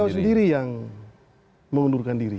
tidak itu sendiri yang mengundurkan diri